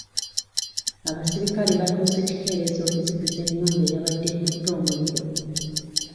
Abaserikale batuuse kikeerezi okuzikiza ennyumba eyabadde ekutte omuliro.